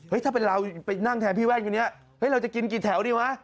เฮ้ยถ้าเป็นเราไปนั่งแทนพี่แว่งกันนี้